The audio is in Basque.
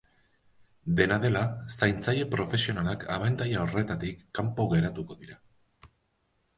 Dena dela, zaintzaile profesionalak abantaila horretatik kanpo geratuko dira.